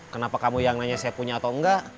kenapa kamu yang nanya saya punya atau enggak